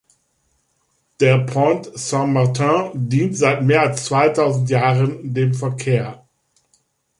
Die Pont Saint-Martin dient seit mehr als zweitausend Jahren dem Verkehr.